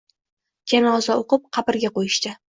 Janoza o‘qib, qabrga qo‘yishdi...